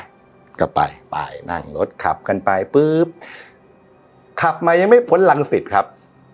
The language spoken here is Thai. ก็ไปไปนั่งรถขับกันไปปุ๊บขับมายังไม่พ้นลังศิษย์ครับ